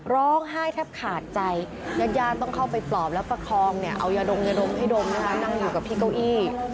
ร้องไห้แทบขาดใจญาติญาติต้องเข้าไปปลอบแล้วประคองเนี่ยเอายาดมยาดมให้ดมนะคะนั่งอยู่กับที่เก้าอี้